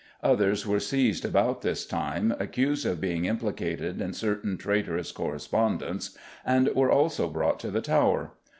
Others were seized about this time, accused of being implicated in certain traitorous correspondence, and were also brought to the Tower.